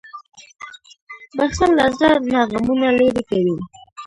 • بښل له زړه نه غمونه لېرې کوي.